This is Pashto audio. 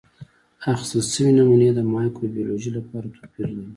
اخیستل شوې نمونې د مایکروبیولوژي لپاره توپیر لري.